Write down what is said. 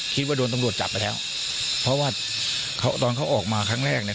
คิดว่าโดนตำรวจจับไปแล้วเพราะว่าเขาตอนเขาออกมาครั้งแรกเนี่ย